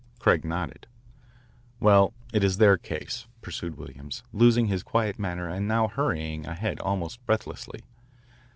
Craig nodded. "Well, it is their case," pursued Williams, losing his quiet manner and now hurrying ahead almost breathlessly.